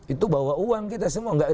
itu bawa uang kita semua enggak